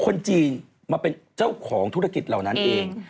คนจีนมาเป็นเจ้าของธุรกิจเหล่านั้นเอง